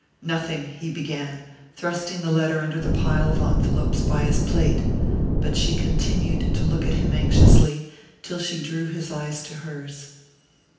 "Nothing " he began, thrusting the letter under the pile of envelopes by his plate; but she continued to look at him anxiously, till she drew his eyes to hers.